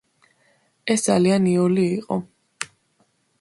ეს ძალიან იოლი იყო.